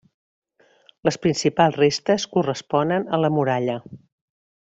Les principals restes corresponen a la muralla.